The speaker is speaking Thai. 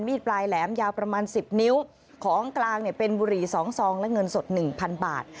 มีดปลายแหลมยาวประมาณ๑๐นิ้วของกลางเป็นบุรี๒ซองและเงินสด๑๐๐๐บาท